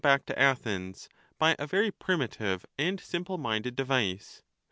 25 back to Athens, by a very primitive and simple minded device.